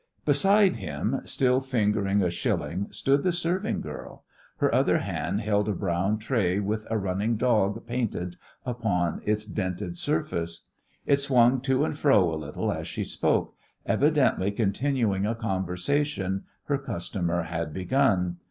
Beside him, still fingering a shilling, stood the serving girl; her other hand held a brown tray with a running dog painted upon its dented surface. It swung to and fro a little as she spoke, evidently continuing a conversation her customer had begun.